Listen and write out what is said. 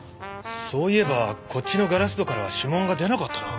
そういえばこっちのガラス戸からは指紋が出なかったな。